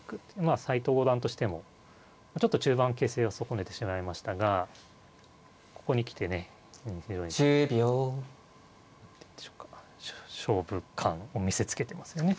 まあ斎藤五段としてもちょっと中盤形勢を損ねてしまいましたがここに来てね何ていうんでしょうか勝負勘を見せつけてますよね。